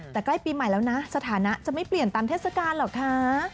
แต่ใกล้ปีใหม่แล้วนะสถานะจะไม่เปลี่ยนตามเทศกาลเหรอคะ